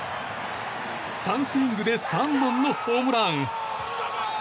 ３スイングで３本のホームラン。